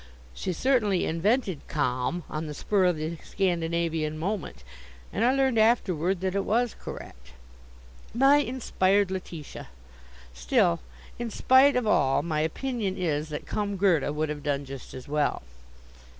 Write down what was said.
She certainly invented Kom on the spur of the Scandinavian moment, and I learned afterward that it was correct. My inspired Letitia! Still, in spite of all, my opinion is that "Come, Gerda," would have done just as well.